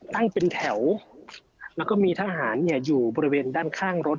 ตั้งเป็นแถวแล้วก็มีทหารอยู่บริเวณด้านข้างรถ